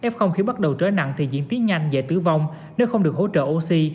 f khí bắt đầu trở nặng thì diễn tiến nhanh dễ tử vong nếu không được hỗ trợ oxy